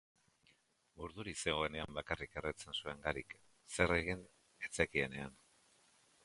Urduri zegoenean bakarrik erretzen zuen Garik, zer egin ez zekienean.